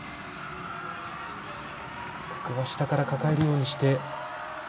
ここは下から抱えるようにして。